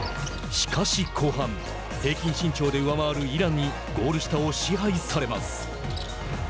しかし後半、平均身長で上回るイランにゴール下を支配されます。